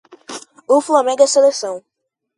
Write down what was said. O Flamengo é seleção